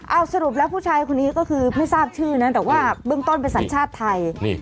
เอาสรุปแล้วผู้ชายคนนี้ก็คือไม่ทราบชื่อนะแต่ว่าเบื้องต้นเป็นสัญชาติไทย